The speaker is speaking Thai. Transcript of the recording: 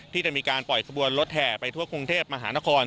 ที่จะมีการปล่อยขบวนรถแห่ไปทั่วกรุงเทพมหานคร